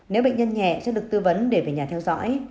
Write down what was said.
nếu bệnh nhân nhẹ sẽ được tư vấn để về nhà theo dõi